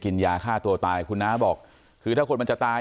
กินยาฆ่าตัวตายคุณน้าบอกคือถ้าคนมันจะตาย